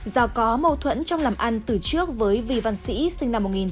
do có mâu thuẫn trong làm ăn từ trước với vị văn sĩ